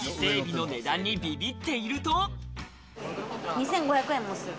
２５００円もする。